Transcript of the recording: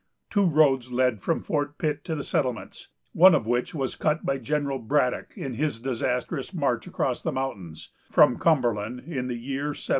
Two roads led from Fort Pitt to the settlements, one of which was cut by General Braddock in his disastrous march across the mountains, from Cumberland, in the year 1755.